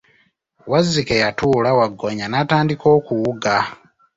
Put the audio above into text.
Wazzike yatuula, Waggoonya n'atandika okuwuga.